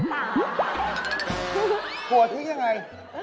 หัวทิ้งอย่างไร